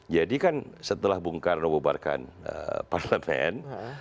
jadi kan setelah bung karnawubarkan parlemen